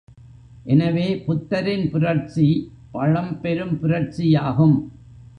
எனவே, புத்தரின் புரட்சி பழம் பெரும் புரட்சியாகும்.